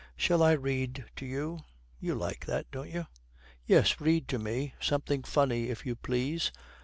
Shall I read to you; you like that, don't you?' 'Yes, read to me something funny, if you please.